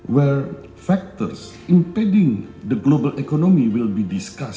di mana faktor yang mempengaruhi ekonomi global akan dibincangkan